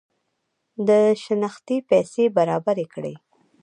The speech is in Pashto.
د شنختې پیسې برابري کړي.